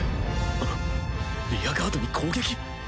ア！リアガードに攻撃？